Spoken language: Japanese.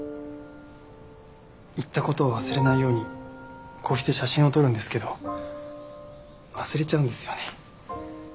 行ったことを忘れないようにこうして写真を撮るんですけど忘れちゃうんですよね